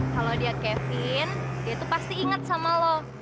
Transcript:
kalau dia kevin dia itu pasti inget sama lo